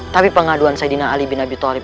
tapi pengaduan saidina ali bin nabi talib